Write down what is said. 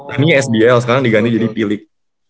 ini sbl sekarang diganti jadi pilik